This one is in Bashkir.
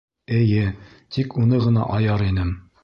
Эйе, тик уны ғына аяр инем.